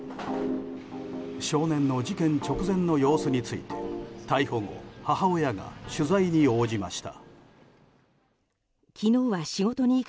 少年の事件直前の様子について逮捕後、母親が取材に応じました。